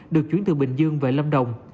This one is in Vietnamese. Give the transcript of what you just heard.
được chuyển từ bình dương về lông đồng